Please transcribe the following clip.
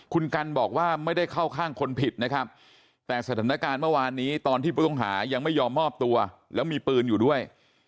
คุณกันบอกว่าไม่ได้เข้าข้างคนผิดนะครับแต่สถานการณ์เมื่อวานนี้ตอนที่ผู้ต้องหายังไม่ยอมมอบตัวแล้วมีปืนอยู่ด้วย